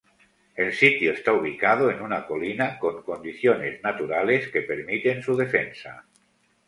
El sitio está ubicado en una colina, con condiciones naturales que permiten su defensa.